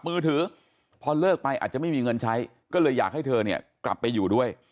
มือถือพอเลิกไปอาจจะไม่มีเงินใช้ก็เลยอยากให้เธอเนี่ยกลับไปอยู่ด้วย